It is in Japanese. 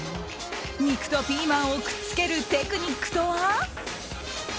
肉とピーマンをくっつけるテクニックとは？